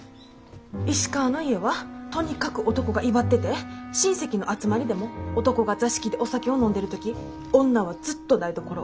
石川の家はとにかく男が威張ってて親戚の集まりでも男が座敷でお酒を飲んでる時女はずっと台所。